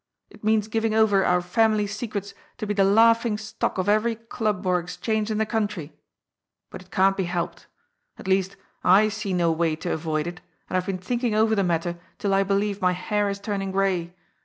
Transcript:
It means giving over our family secrets to be the laughing stock of every club or exchange in the country. But it can't be helped. At least, I see no way to avoid it, and I've been thinking over the matter till I believe my hair is turning gray.